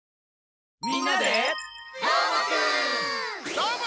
どーも！